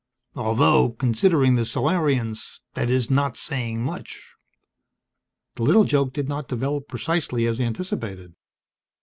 "Although, considering the Solarians, that is not saying much." The little joke did not develop precisely as anticipated.